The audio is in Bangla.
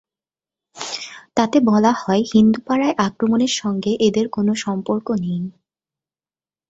তাতে বলা হয়, হিন্দু পাড়ায় আক্রমণের সঙ্গে এদের কোনো সম্পর্ক নেই।